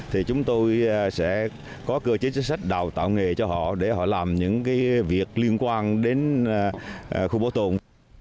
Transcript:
thì chúng tôi sẽ có cơ chế chính sách đào tạo nghề cho họ để họ làm những việc liên quan đến khu bảo tồn